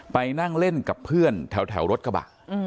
ไปนั่งเล่นกับเพื่อนแถวรถกระบะ